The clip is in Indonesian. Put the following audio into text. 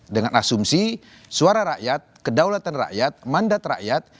dengan asumsi suara rakyat kedaulatan rakyat mandat rakyat